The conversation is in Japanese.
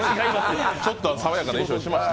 ちょっと爽やかな衣装にしました。